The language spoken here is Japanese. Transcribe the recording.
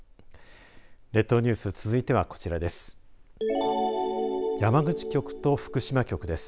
列島ニュース続いてはこちらです。